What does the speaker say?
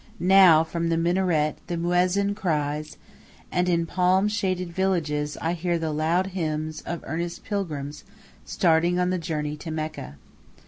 Now from the minaret the muezzin cries, and in palm shaded villages I hear the loud hymns of earnest pilgrims starting on the journey to Mecca.